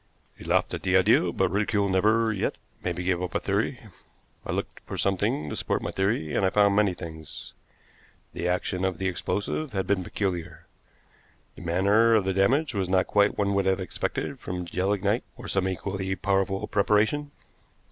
He laughed at the idea, but ridicule never yet made me give up a theory. I looked for something to support my theory, and I found many things. The action of the explosive had been peculiar. The manner of the damage was not quite what one would have expected from gelignite, or some equally powerful preparation.